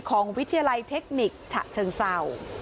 วิทยาลัยเทคนิคฉะเชิงเศร้า